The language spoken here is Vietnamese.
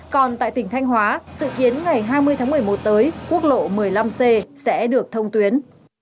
còn tại tỉnh thanh hóa dự kiến ngày hai mươi tháng một mươi một tới quốc lộ một mươi năm c sẽ được thông tuyến